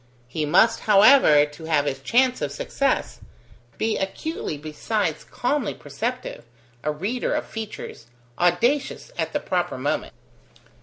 He must, however, to have his chance of success, be acutely besides calmly perceptive, a reader of features, audacious at the proper moment.